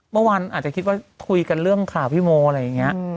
เมื่อวานอาจจะคิดว่าคุยกันเรื่องข่าวพี่โมอะไรอย่างนี้